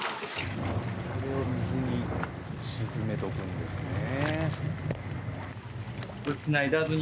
これを水に沈めとくんですね。